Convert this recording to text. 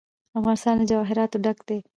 افغانستان له جواهرات ډک دی.